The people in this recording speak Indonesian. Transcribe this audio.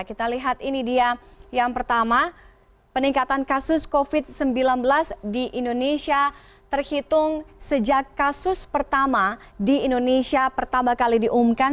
kita lihat ini dia yang pertama peningkatan kasus covid sembilan belas di indonesia terhitung sejak kasus pertama di indonesia pertama kali diumumkan